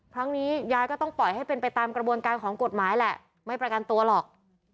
ครั้งนี้ยายก็ต้องปล่อยให้เป็นไปตามกระบวนการของกฎหมายแหละไม่ประกันตัวหรอก